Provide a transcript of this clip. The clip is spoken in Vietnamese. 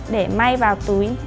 để may vào túi